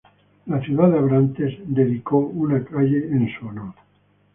La ciudad de Abrantes le dedicó una calle en su honor.